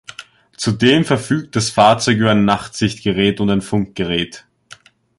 Zudem verfügt das Fahrzeug über ein Nachtsichtgerät und ein Funkgerät.